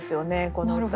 この歌。